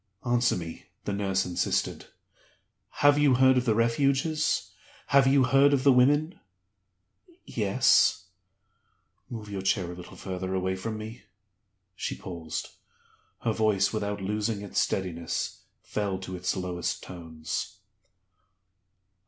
"Answer me," the nurse insisted. "Have you heard of the Refuges? Have you heard of the Women?" "Yes." "Move your chair a little further away from me." She paused. Her voice, without losing its steadiness, fell to its lowest tones.